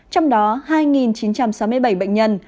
trong đó hai chín trăm sáu mươi bảy bệnh nhân